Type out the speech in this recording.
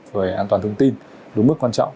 về an toàn thông tin đúng mức quan trọng